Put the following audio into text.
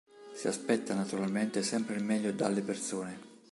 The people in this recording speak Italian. Si aspetta naturalmente sempre il meglio dalle persone.